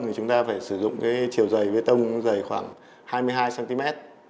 thì chúng ta phải sử dụng cái chiều dày bê tông dày khoảng hai mươi hai cm